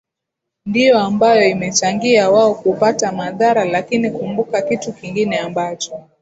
ndio ambayo imechangia wao kupata madhara lakini kumbuka kitu kingine ambacho